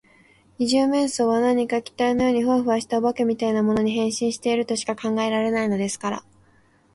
二十面相は何か気体のようにフワフワした、お化けみたいなものに、変身しているとしか考えられないのですから。